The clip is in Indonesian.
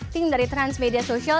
tim dari transmedia social